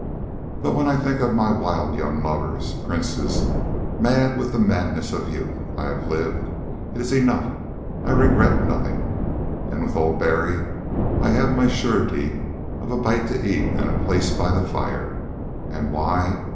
"But when I think of my wild young lovers, princes, mad with the madness of youth! I have lived. It is enough. I regret nothing. And with old Barry I have my surety of a bite to eat and a place by the fire. And why?